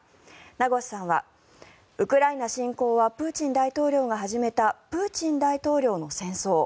名越さんは、ウクライナ侵攻はプーチン大統領が始めたプーチン大統領の戦争。